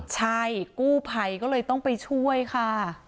ใช่กู้ภัยก็เลยต้องไปช่วยค่ะ